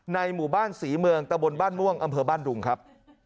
หมู่บ้านศรีเมืองตะบนบ้านม่วงอำเภอบ้านดุงครับ